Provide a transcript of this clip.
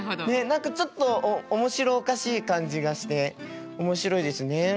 何かちょっと面白おかしい感じがして面白いですね。